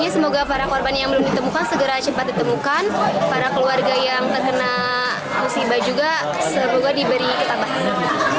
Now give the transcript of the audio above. semoga para korban yang belum ditemukan segera cepat ditemukan para keluarga yang terkena musibah juga semoga diberi ketabahan